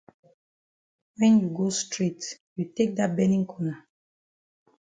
When you go straight you take dat benin corner.